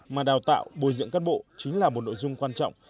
mà đào tạo bồi diễn các bộ chính là một nội dung quan trọng